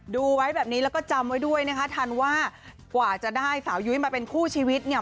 ดูไว้แบบนี้แล้วก็จำไว้ด้วยนะคะทันว่ากว่าจะได้สาวยุ้ยมาเป็นคู่ชีวิตเนี่ย